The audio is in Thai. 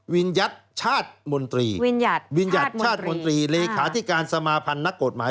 ญัติชาติมนตรีวิญญัติชาติมนตรีเลขาธิการสมาพันธ์นักกฎหมาย